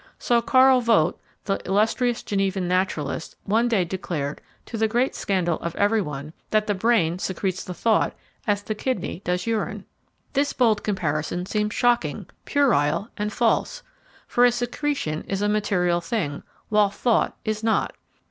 So Karl Vogt, the illustrious Genevan naturalist, one day declared, to the great scandal of every one, that the brain secretes the thought as the kidney does urine. This bold comparison seemed shocking, puerile, and false, for a secretion is a material thing while thought is not.